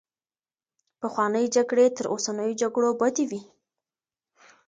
پخوانۍ جګړې تر اوسنيو جګړو بدې وې.